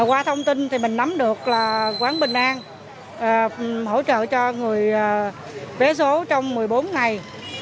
qua thông tin thì mình nắm được là quán bình an hỗ trợ cho người vé số trong một mươi bốn ngày